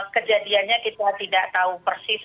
kejadiannya kita tidak tahu persis